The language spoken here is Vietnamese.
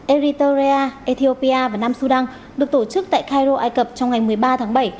eriterrea ethiopia và nam sudan được tổ chức tại cairo ai cập trong ngày một mươi ba tháng bảy